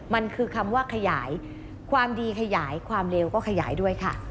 มันคือคำว่าขยายความดีขยายความเร็วก็ขยายด้วยค่ะ